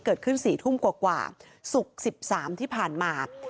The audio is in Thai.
เกิดขึ้น๔ทุ่มกว่าศุกร์๑๓ที่ผ่านมา